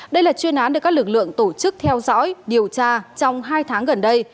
đây là chuyên án được các lực lượng tổ chức theo dõi điều tra trong hai tháng gần đây